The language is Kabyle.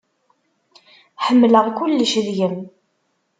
Ḥemmleɣ kullec deg-m.